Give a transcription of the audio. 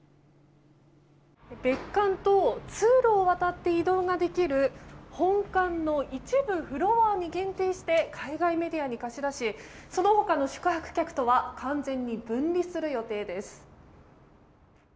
別館と通路を渡って移動ができる本館の一部フロアに限定して海外メディアに貸し出しその他の宿泊客とは完全に分離する予定です。